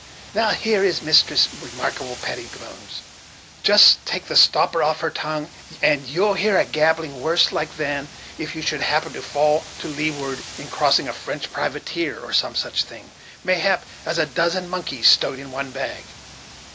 "Now here is Mistress Remarkable Pettibones; just take the stopper off her tongue, and you'll hear a gabbling worse like than if you should happen to fall to leeward in crossing a French privateer, or some such thing, mayhap, as a dozen monkeys stowed in one bag."